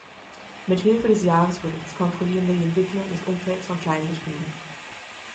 Mit Hilfe des Jahresberichts kontrollieren wir die Entwicklung des Umfelds von Kleinbetrieben.